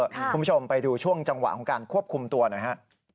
คุณผู้ชมไปดูช่วงจังหวะของการควบคุมตัวหน่อยฮะ